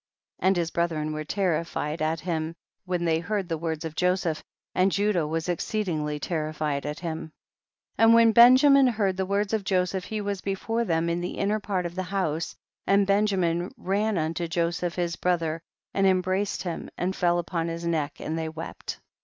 70. And his brethren were terrifi ed at him when they heard the words of Joseph, and Judah was exceed ingly terrified at him. 71 . And when Benjamin heard the words of Joseph he was before them in the inner part of the house, and Benjamin ran unto Joseph his brother and embraced him and fell upon his neck, and they wept.